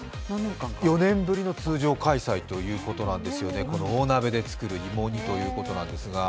４年ぶりの通常開催ということなんですよね、この大鍋で作る芋煮なんですが。